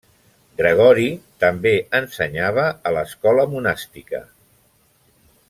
Gregori també ensenyava a l'escola monàstica.